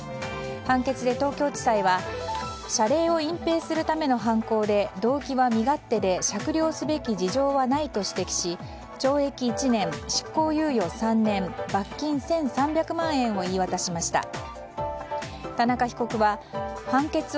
判決で東京地裁は謝礼を隠ぺいするための犯行で動機は身勝手で酌量すべき事情はないと指摘し懲役１年、執行猶予３年罰金１３００万円を言い渡しました。